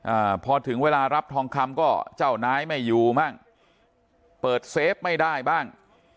อ่าพอถึงเวลารับทองคำก็เจ้านายไม่อยู่บ้างเปิดเซฟไม่ได้บ้าง